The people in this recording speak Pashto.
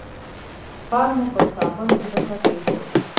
پل مو پر کابل مځکه کېښود.